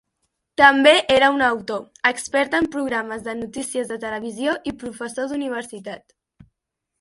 També era un autor, expert en programes de notícies de televisió i professor d'universitat.